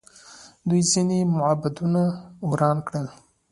دوی ځینې معبدونه وران کړل